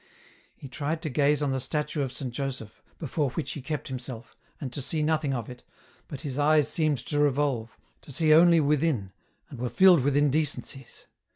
He tried to gaze on the statue of Saint Joseph, before which he kept himself, and to see nothing but it, but his eyes seemed to revolve, to see only within, and were filled with indecencies.